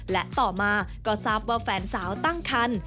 และต่อมาก็ทราบว่าแฟนสาวตั้งคัน